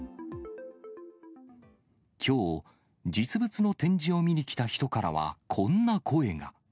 きょう、実物の展示を見に来た人からは、こんな声が。